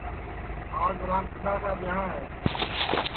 آج رامچندا کا ٻیاں ہے